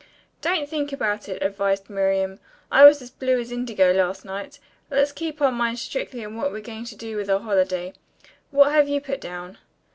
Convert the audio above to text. "Don't think about it," advised Miriam. "I was as blue as indigo last night. Let's keep our minds strictly on what we're going to do with our holiday. What have you put down?"